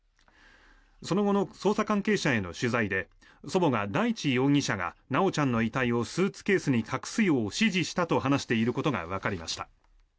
その後の捜査関係者への取材で祖母が大地容疑者が修ちゃんの遺体をスーツケースに隠すよう指示したと話していることがわかりました。